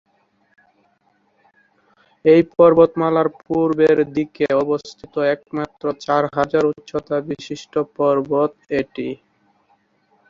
এই পর্বতমালার পূর্বের দিকে অবস্থিত একমাত্র চার হাজার উচ্চতাবিশিষ্ট পর্বত এটি।